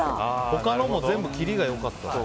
他のも全部、きりが良かったし。